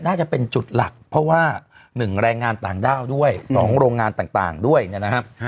น่าจะเป็นจุดหลักเพราะว่า๑แรงงานต่างด้าวด้วย๒โรงงานต่างด้วยนะครับ